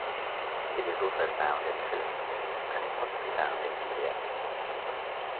It is also found in the Philippines and is possibly found in India.